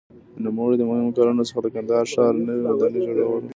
د نوموړي د مهمو کارونو څخه د کندهار ښار نوې ودانۍ جوړول وو.